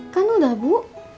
kan udah bu